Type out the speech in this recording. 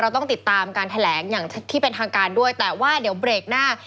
ต้องติดตามการแถลงอย่างที่เป็นทางการด้วยแต่ว่าเดี๋ยวเบรกหน้า